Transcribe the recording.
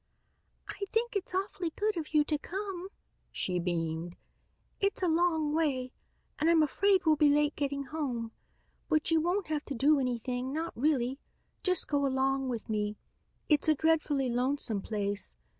"I think it's awfully good of you to come," she beamed. "It's a long way and I'm afraid we'll be late getting home, but you won't have to do anything, not really, just go along with me. It's a dreadfully lonesome place.